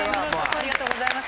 ありがとうございます。